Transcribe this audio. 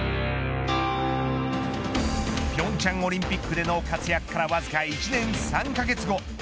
平昌オリンピックでの活躍からわずか１年３カ月後